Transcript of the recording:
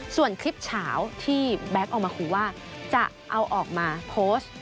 ส่วนคลิปเช้าที่แบล็กอาทิตย์ออกมาคุยว่าจะเอาออกมาโพสต์